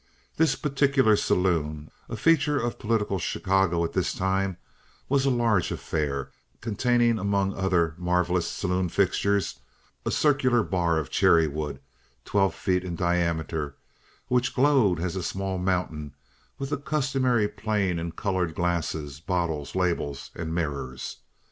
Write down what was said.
This particular saloon, a feature of political Chicago at this time, was a large affair containing among other marvelous saloon fixtures a circular bar of cherry wood twelve feet in diameter, which glowed as a small mountain with the customary plain and colored glasses, bottles, labels, and mirrors.